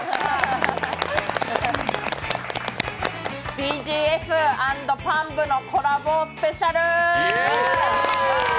ＢＧＳ＆パン部のコラボスペシャル！